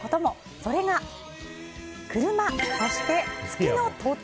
それが車、そして月の土地。